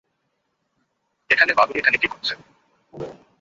এখানে বাগদ্বি এখানে কি করছে?